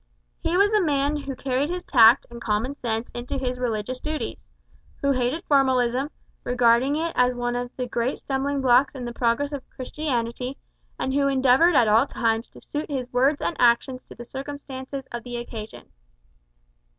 He was a man who carried his tact and common sense into his religious duties; who hated formalism, regarding it as one of the great stumbling blocks in the progress of Christianity, and who endeavoured at all times to suit his words and actions to the circumstances of the occasion.